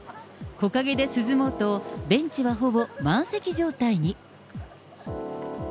木陰で涼もうと、ベンチはほぼ満席状態に。